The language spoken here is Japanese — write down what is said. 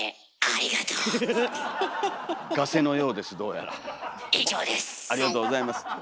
ありがとうございます。